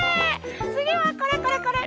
つぎはこれこれこれ！